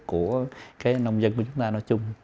của cái nông dân của chúng ta nói chung